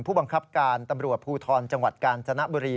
ผู้บังคับการตำรวจภูทรจังหวัดกาญจนบุรี